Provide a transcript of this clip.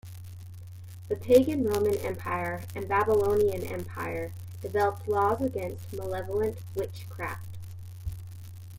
The pagan Roman Empire and Babylonian Empire developed laws against malevolent witchcraft.